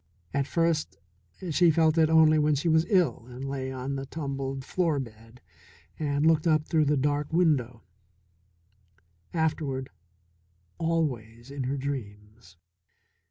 At first she felt it only when she was ill and lay on the tumbled floor bed and looked up through the dark window; afterward always in her dreams.